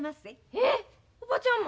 えっおばちゃんも？